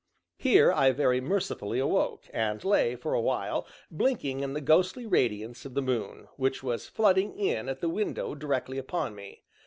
Here I very mercifully awoke, and lay, for a while, blinking in the ghostly radiance of the moon, which was flooding in at the window directly upon me.